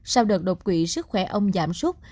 sau đợt đột quỵ sức khỏe ông giảm súc